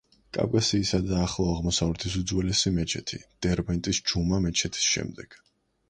კავკასიისა და ახლო აღმოსავლეთის უძველესი მეჩეთი, დერბენტის ჯუმა მეჩეთის შემდეგ.